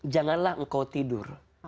janganlah engkau tidur